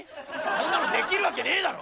そんなのできるわけねえだろ！